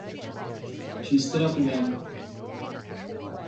She stood up again.